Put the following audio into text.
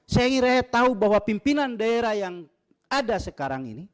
saya kira tahu bahwa pimpinan daerah yang ada sekarang ini